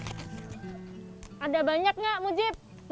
ada banyak nggak mujib